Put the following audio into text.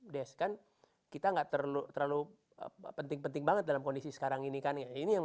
des kan kita gak terlalu penting penting banget dalam kondisi sekarang ini kan